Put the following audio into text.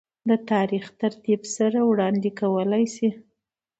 دَ تاريخي ترتيب سره وړاند ې کولے شي